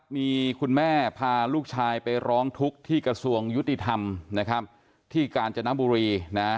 มีคุณแม่พาลูกชายไปร้องทุกข์ที่กระทรวงยุติธรรมที่กาญจนบุรี